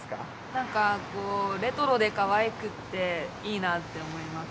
なんかレトロでかわいくて、いいなって思います。